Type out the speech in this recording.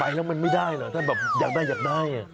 ไปแล้วมันไม่ได้เหรอถ้าแบบอยากได้อยากได้